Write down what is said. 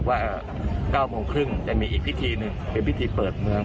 วันนี้๙โมงครึ่งจะมีอีกพิธีมีพิธีเปิดเมือง